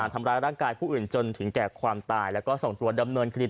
ผมให้โอกาสไปเยอะแล้วครับ๒๓รอบแต่ครั้งนี้เกินไปครับ